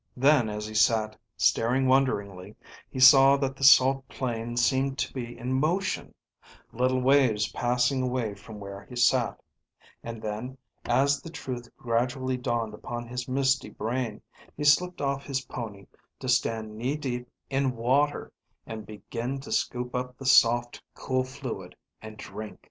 Then as he sat staring wonderingly, he saw that the salt plain seemed to be in motion, little waves passing away from where he sat; and then, as the truth gradually dawned upon his misty brain, he slipped off his pony, to stand knee deep in water and begin to scoop up the soft cool fluid and drink.